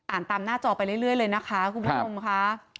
ตามหน้าจอไปเรื่อยเลยนะคะคุณผู้ชมค่ะ